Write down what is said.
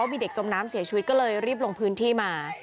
ว่ามีเด็กจมน้ำเสียชวีต้อนรีบลงพื้นมา